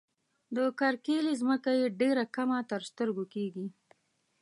د کرکيلې ځمکه یې ډېره کمه تر سترګو کيږي.